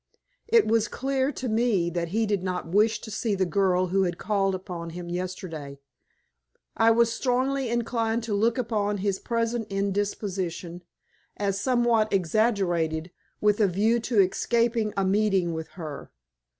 It was clear to me that he did not wish to see the girl who had called upon me yesterday. I was strongly inclined to look upon his present indisposition as somewhat exaggerated with a view to escaping a meeting with her.